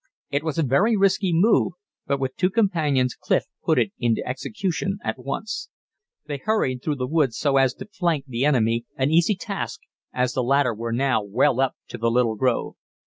It was a very risky move, but with two companions Clif put it into execution at once. They hurried through the woods so as to flank the enemy, an easy task, as the latter were now well up to the little grove.